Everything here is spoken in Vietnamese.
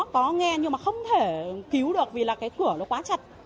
có nghe nhưng mà không thể cứu được vì là cái cửa nó quá chặt